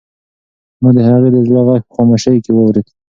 ما د هغې د زړه غږ په خاموشۍ کې واورېد.